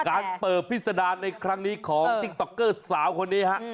การเปิดพิษดารในครั้งนี้ของติ๊กต๊อกเกอร์สาวคนนี้ฮะ